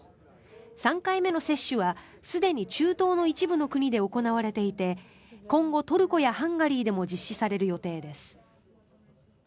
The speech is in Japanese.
３回目の接種はすでに中東の一部の国で行われていて今後、トルコやハンガリーでも実施される予定です。